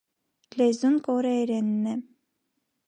Լեզուն կորեերենն է։